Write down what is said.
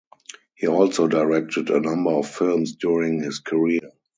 He also directed a number of films during his career.